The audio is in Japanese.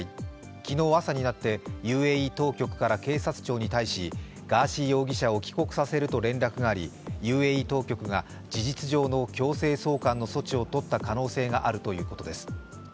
昨日朝になって、ＵＡＥ当局から警察庁に対し、ガーシー容疑者を帰国させると連絡があり、ＵＡＥ当局が事実上の強制送還の措置を取った可能性があるということです。